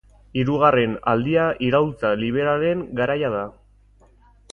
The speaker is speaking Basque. Hirugarren aldia iraultza liberalen garaia da.